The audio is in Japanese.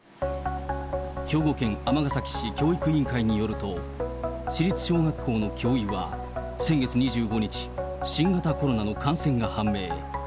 兵庫県尼崎市教育委員会によると、市立小学校の教諭は先月２５日、新型コロナの感染が判明。